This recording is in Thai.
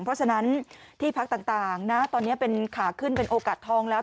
เพราะฉะนั้นที่พักต่างนะตอนนี้เป็นขาขึ้นเป็นโอกาสทองแล้ว